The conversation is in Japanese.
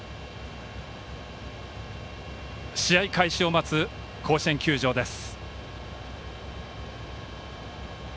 試合開始を待つ甲子園球場です。